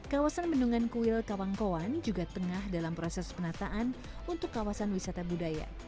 kawasan bendungan kuil kawangkoan juga tengah dalam proses penataan untuk kawasan wisata budaya